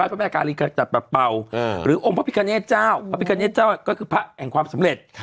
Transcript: พระแม่กาลีกจัดปรับเป่าหรือองค์พระพิกาเนตเจ้าพระพิกาเนตเจ้าก็คือพระแห่งความสำเร็จ